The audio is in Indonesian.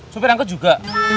sopir angkat juga